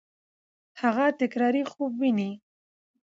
هغه تکراري خوب ویني.